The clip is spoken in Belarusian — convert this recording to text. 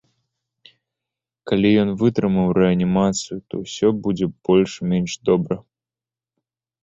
Калі ён вытрымаў рэанімацыю, то ўсё будзе больш-менш добра.